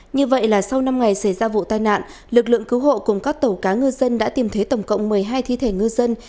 như vậy là sau năm ngày xảy ra vụ tai nạn lực lượng cứu hộ cùng các tàu cá ngư dân đã tìm thấy tổng cộng một mươi hai thi thể ngư dân